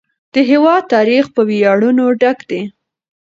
د هېواد تاریخ په ویاړونو ډک دی.